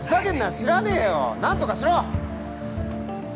知らねえよ何とかしろ！